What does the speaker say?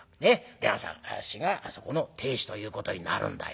で私があそこの亭主ということになるんだよ。